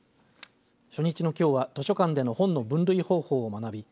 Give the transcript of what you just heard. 初日のきょうは図書館での本の分類方法を学び